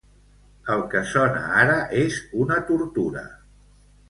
El que sona ara és una tortura.